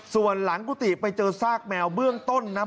ส่วนหลังกุฏิไปเจอซากแมวเบื้องต้นนะ